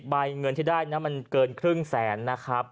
ใบเงินที่ได้นะมันเกินครึ่งแสนนะครับ